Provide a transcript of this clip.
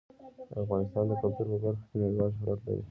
افغانستان د کلتور په برخه کې نړیوال شهرت لري.